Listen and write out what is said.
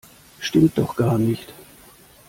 Stimmt doch gar nicht!